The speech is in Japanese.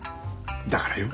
だからよ。